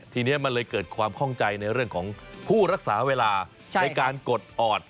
ทีนี้มันเลยเกิดความข้องใจในเรื่องของผู้รักษาเวลาในการกดออด